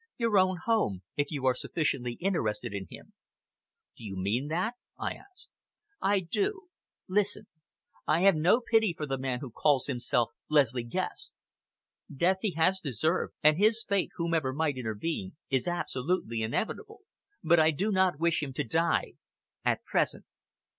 "Your own home, if you are sufficiently interested in him!" "Do you mean that?" I asked. "I do! Listen! I have no pity for the man who calls himself Leslie Guest! Death he has deserved, and his fate, whomever might intervene, is absolutely inevitable. But I do not wish him to die at present!"